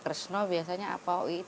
kresno biasanya apa merah gitu apa namanya